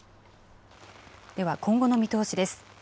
では今後の見通しです。